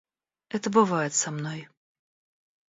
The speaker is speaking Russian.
Это бывает со мной.